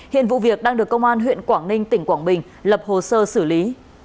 hiện vụ việc đang được công an huyện quảng ninh tỉnh quảng bình lập hồ sơ xử lý